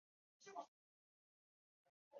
目前仅有军用飞机使用。